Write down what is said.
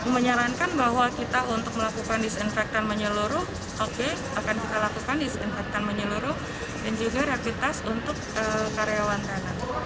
menyarankan bahwa kita untuk melakukan disinfektan menyeluruh oke akan kita lakukan disinfektan menyeluruh dan juga rapid test untuk karyawan tenan